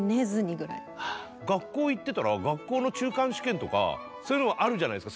学校行ってたら学校の中間試験とかそういうのもあるじゃないですか。